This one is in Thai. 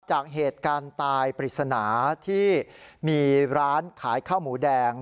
จากเหตุการณ์ตายปริศนาที่มีร้านขายข้าวหมูแดง